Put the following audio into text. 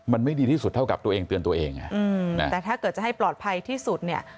มันไม่ดีที่สุดเท่ากับตัวเองเตือนตัวเองแต่ถ้าเกิดจะให้ปลอดภัยที่สุดเนี่ย